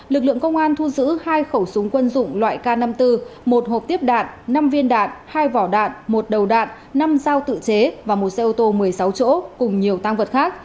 lực lượng công an thu giữ hai khẩu súng quân dụng loại k năm mươi bốn một hộp tiếp đạn năm viên đạn hai vỏ đạn một đầu đạn năm dao tự chế và một xe ô tô một mươi sáu chỗ cùng nhiều tăng vật khác